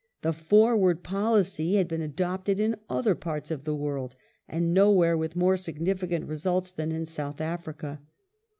The " forward " policy had been adopted in other parts of the world, and nowhere with more significant results than in South Africa.